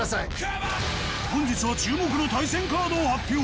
本日は注目の対戦カードを発表